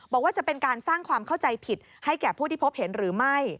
บอกว่าจะเป็นการสร้างความเข้าใจผิดให้แก่ผู้ที่พบเห็นหรือไม่